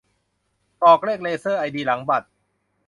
กรอกเลขเลเซอร์ไอดีหลังบัตร